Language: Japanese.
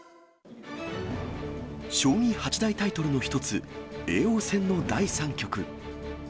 将棋八大タイトルの一つ、叡王戦の第３局。